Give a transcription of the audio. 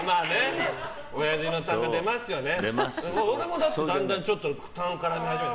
俺もだって、だんだん痰が絡み始めて。